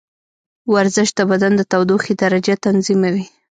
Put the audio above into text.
ورزش د بدن د تودوخې درجه تنظیموي.